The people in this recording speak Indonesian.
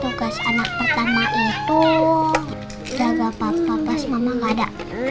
tugas anak pertama itu jaga papa pas mama gak ada